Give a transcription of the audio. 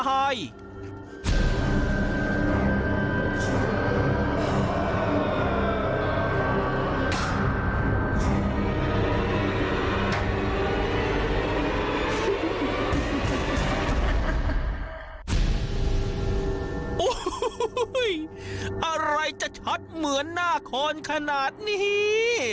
โอ้โหอะไรจะชัดเหมือนหน้าคนขนาดนี้